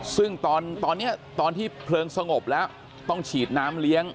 ซึ่งตอนนี้ตอนที่เพลิงสงบแล้วต้องฉีดน้ำเลี้ยง